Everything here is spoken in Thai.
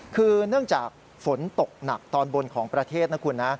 คือเนื่องจากฝนตกหนักตอนบนของประเทศนะคุณนะ